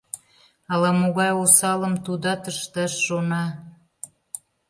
Ала-могай осалым тудат ышташ шона...